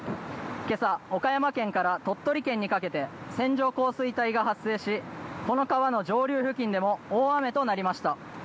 今朝、岡山県から鳥取県にかけて線状降水帯が発生しこの川の上流付近でも大雨となりました。